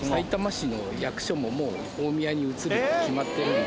もう大宮に移るって決まってるんで。